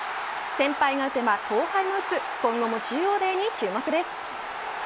先輩が打てば後輩も打つ今後も中央デーに注目です。